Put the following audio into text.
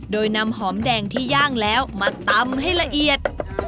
โดยนำหอมแดงที่ย่างแล้วมาตำให้ละเอียด